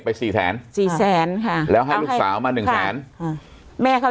สี่แสนสี่แสนค่ะแล้วให้ลูกสาวมาหนึ่งแสนค่ะแม่เขา